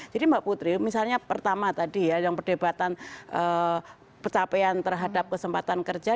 jadi mbak putri misalnya pertama tadi ya yang perdebatan pencapaian terhadap kesempatan kerja